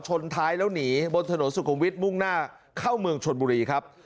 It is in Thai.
ชนท้ายแล้วหนีบนถนนสุขุมวิทย์มุ่งหน้าเข้าเมืองชนบุรีครับ